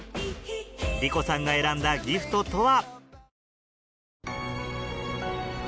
莉子さんが選んだギフトとは？